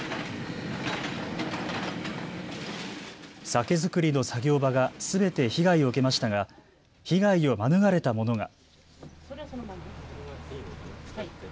酒造りの作業場がすべて被害を受けましたが被害を免れたものが。